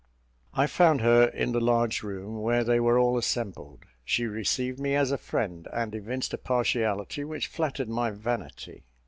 I found her in the large room, where they were all assembled. She received me as a friend, and evinced a partiality which flattered my vanity.